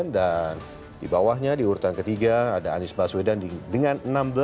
dan di bawahnya di urutan ketiga ada anies baswedan dengan enam belas tujuh